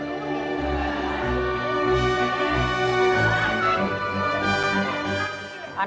tidak ada yang bisa diperlukan